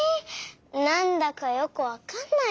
なんだかよくわかんないよ。